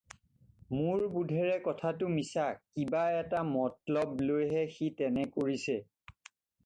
মোৰ বোধেৰে কথাটো মিছা, কিবা এটা মতলব লৈহে সি তেনে কৰিছে।